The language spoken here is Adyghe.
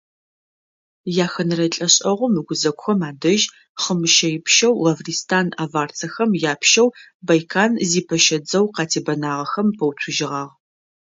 Яхэнэрэ лӏэшӏэгъум ыгузэгухэм адэжь хъымыщэипщэу Лавристан аварцэхэм япщэу Байкан зипэщэ дзэу къатебэнагъэхэм пэуцужьыгъагъ.